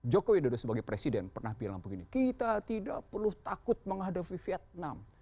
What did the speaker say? jokowi dodo sebagai presiden pernah bilang begini kita tidak perlu takut menghadapi vietnam